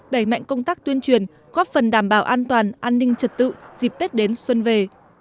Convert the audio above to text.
đẩy mạnh công tác tuyên truyền góp phần đảm bảo an toàn an ninh trật tự dịp tết đến xuân về